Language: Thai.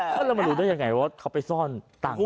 แล้วมันรู้ได้ยังไงว่าเขาไปซ่อนต่างกว่า